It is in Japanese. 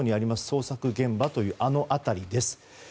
捜索現場という辺りです。